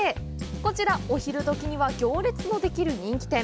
こちら、お昼どきには行列のできる人気店。